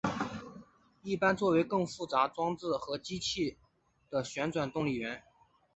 一般作为更复杂装置或机器的旋转动力源。